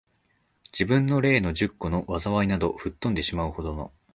自分の例の十個の禍いなど、吹っ飛んでしまう程の、